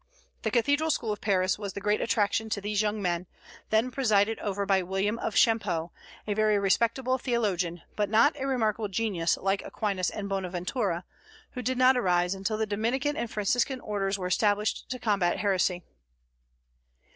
The Cathedral School of Paris was the great attraction to these young men, then presided over by William of Champeaux, a very respectable theologian, but not a remarkable genius like Aquinas and Bonaventura, who did not arise until the Dominican and Franciscan orders were established to combat heresy.